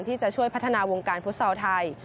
ที่จะช่วยพัฒนาวงการฟุตซอลไทย